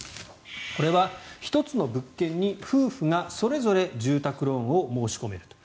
これは１つの物件に夫婦がそれぞれ住宅ローンを申し込めると。